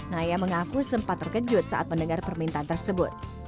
naya mengaku sempat terkejut saat mendengar permintaan tersebut